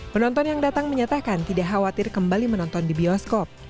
penonton yang datang menyatakan tidak khawatir kembali menonton di bioskop